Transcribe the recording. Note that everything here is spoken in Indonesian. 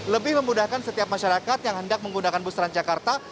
lebih memudahkan setiap masyarakat yang hendak menggunakan bus transjakarta